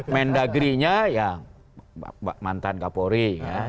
men dagri nya ya mantan kapolri